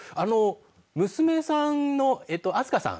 娘さんの明日香さん